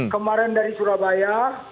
kemarin dari surabaya